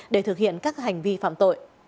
để thực hiện các hành vi phạm tội